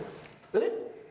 えっ？